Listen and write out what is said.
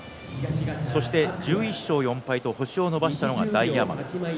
そして１１勝４敗と星を伸ばしたのが大奄美。